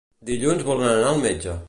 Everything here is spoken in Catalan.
Dilluns volen anar al metge.